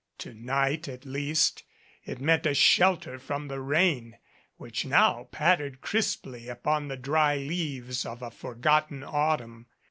To night, at least, it meant a shelter from the rain which now pattered crisply upon the dry leaves of a forgotten autumn.